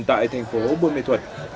tại thành phố buôn mê thuật